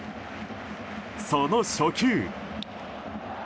その初球。